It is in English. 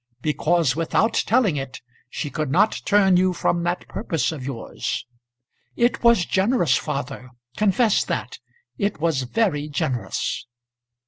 Because without telling it she could not turn you from that purpose of yours. It was generous, father confess that; it was very generous."